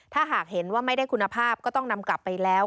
ถ้าหากเห็นว่าไม่ได้คุณภาพก็ต้องนำกลับไปแล้ว